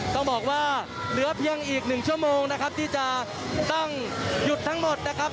ต้องบอกว่าเหลือเพียงอีก๑ชั่วโมงนะครับที่จะต้องหยุดทั้งหมดนะครับ